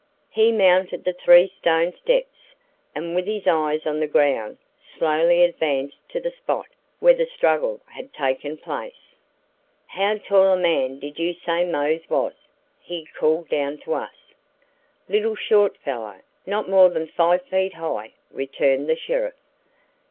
He mounted the three stone steps, and with his eyes on the ground, slowly advanced to the spot where the struggle had taken place. "How tall a man did you say Mose was?" he called down to us. "Little short fellow not more than five feet high," returned the sheriff.